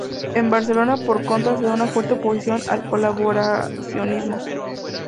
En Barcelona por contra se da una fuerte oposición al colaboracionismo.